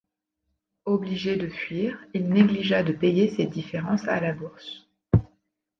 Obligé de fuir, il négligea de payer ses différences à la Bourse.